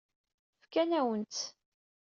Fkan-awen-tt.